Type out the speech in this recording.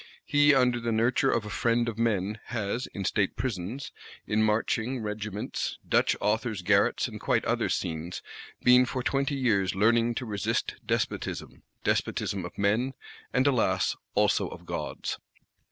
He, under the nurture of a "Friend of Men," has, in State Prisons, in marching Regiments, Dutch Authors" garrets, and quite other scenes, "been for twenty years learning to resist despotism:" despotism of men, and alas also of gods.